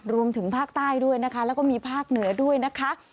รวมถึงภาคใต้ด้วยนะคะแล้วก็มีภาคเหนือด้วยนะคะ